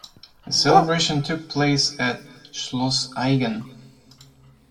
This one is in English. The celebration took place at Schloss Aigen.